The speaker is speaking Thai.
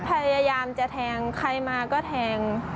พยายามจะแทงใครมาก็แทง